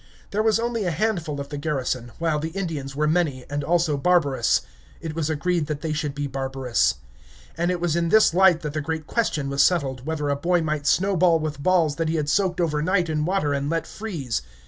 There was only a handful of the garrison, while the Indians were many, and also barbarous. It was agreed that they should be barbarous. And it was in this light that the great question was settled whether a boy might snowball with balls that he had soaked over night in water and let freeze.